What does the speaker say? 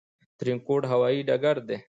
ترينکوټ هوايي ډګر دى